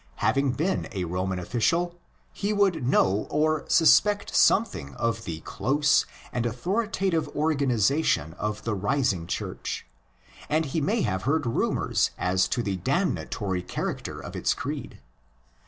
Having been a Roman official, he would know or suspect something of the close and authoritative organisation of the rising Church; and he may have heard rumours as to the damnatory character of its creed.